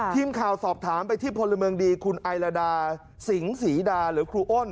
ทีมข่าวสอบถามไปที่พลเมืองดีคุณไอลาดาสิงศรีดาหรือครูอ้น